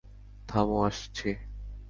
থামো, আসছি।